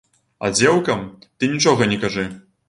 А дзеўкам ты нічога не кажы.